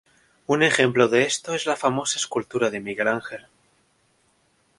Un ejemplo de esto es la famosa escultura de Miguel Ángel.